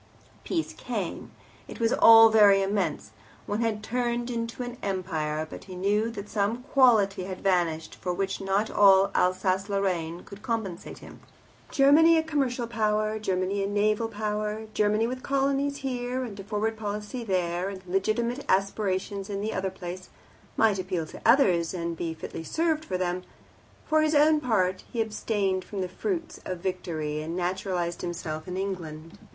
Peace came it was all very immense, one had turned into an Empire but he knew that some quality had vanished for which not all Alsace Lorraine could compensate him. Germany a commercial Power, Germany a naval Power, Germany with colonies here and a Forward Policy there, and legitimate aspirations in the other place, might appeal to others, and be fitly served by them; for his own part, he abstained from the fruits of victory, and naturalized himself in England.